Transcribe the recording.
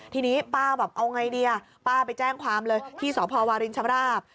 ทีนี้ป้าบอกเอาไงดีอ่ะป้าไปแจ้งความเลยที่สพวารินชำราบ